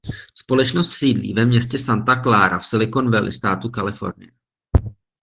Společnost sídlí ve městě Santa Clara v Silicon Valley státu Kalifornie.